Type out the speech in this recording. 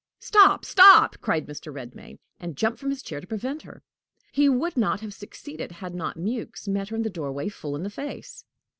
"Stop, stop!" cried Mr. Redmain, and jumped from his chair to prevent her. He would not have succeeded had not Mewks met her in the doorway full in the face.